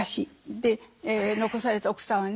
残された奥さんはね